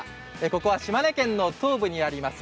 ここは島根県の東部にあります